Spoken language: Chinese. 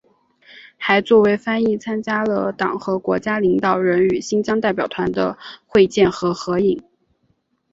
还作为翻译参加了党和国家领导人与新疆代表团的会见和合影。